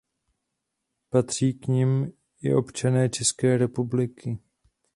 Patří k nim i občané České republiky.